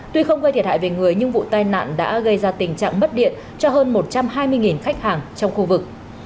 tuy không gây thiệt hại về người nhưng vụ tai nạn đã gây ra tình trạng mất điện cho hơn một trăm hai mươi khách hàng trong khu vực